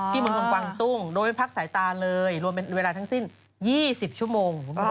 เมืองทองกวางตุ้งโดยไม่พักสายตาเลยรวมเป็นเวลาทั้งสิ้น๒๐ชั่วโมง